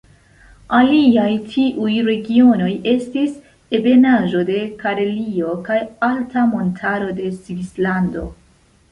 Aliaj tiuj regionoj estis ebenaĵo de Karelio kaj alta montaro de Svislando.